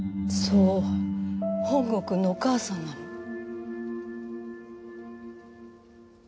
そう本郷くんのお母さんなの。